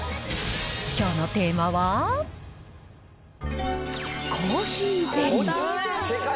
きょうのテーマは、コーヒーゼリー。